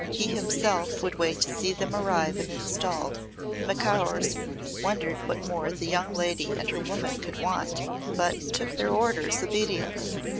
He himself would wait to see them arrive and installed. The Macaurs wondered what more the "young leddy" and her woman could want but took their orders obediently.